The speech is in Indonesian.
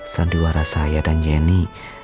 sandiwara saya dan jeni